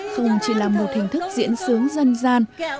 không chỉ là một hình thức diễn sướng dân gian